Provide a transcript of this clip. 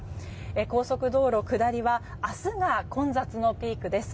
高速道路下りは明日が混雑のピークです。